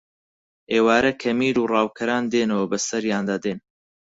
ئێوارە کە میر و ڕاوکەران دێنەوە بەسەریاندا دێن